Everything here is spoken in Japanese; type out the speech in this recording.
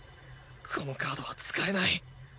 このカードは使えない